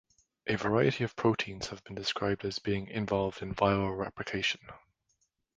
A variety of proteins have been described as being involved in viral replication.